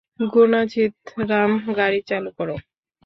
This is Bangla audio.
গুনাচিথরাম, গাড়ি চালু কর।